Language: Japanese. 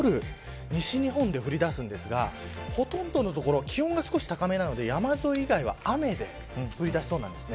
西日本で降り出すんですがほとんどの所気温が少し高めなので山沿い以外は雨で降り出しそうです。